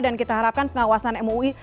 dan kita harapkan pengawasan mui